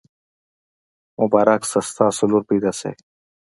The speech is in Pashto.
مبارک شه! ستاسو لور پیدا شوي.